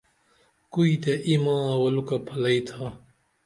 کوئتیہ اِی ما اولوکہ پھلئی تھا